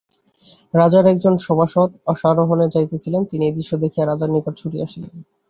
রাজার একজন সভাসদ অশ্বারোহণে যাইতেছিলেন, তিনি এই দৃশ্য দেখিয়া রাজার নিকটে ছুটিয়া আসিলেন।